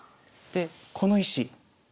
でこの石。